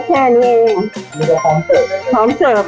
พริกแค่นี้ค่ะพริกแค่นี้ค่ะ